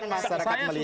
betul saya sudah ini